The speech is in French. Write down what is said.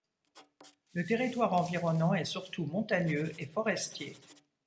Le territoire environnant est surtout montagneux et forestier.